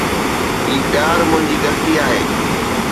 هي پيار منهنجي غلطي آهي